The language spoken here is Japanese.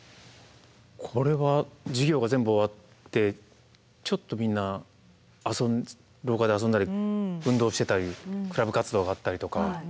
これは授業が全部終わってちょっとみんな廊下で遊んだり運動してたりクラブ活動があったりとか。